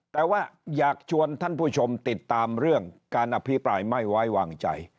แต่ว่าอยากชวนท่านผู้ชมติดตามเรื่องการอภิปรายไม่ไว้วางใจ